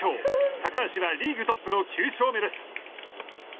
高橋はリーグトップの９勝目です。